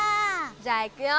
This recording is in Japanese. じゃあいくよ。